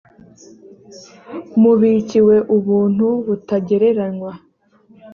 mubikiwe ubuntu butagereranywa.